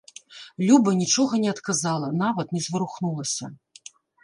Люба нічога не адказала, нават не зварухнулася.